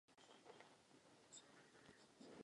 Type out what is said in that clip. Zajímavostí vodního díla je rybí přechod.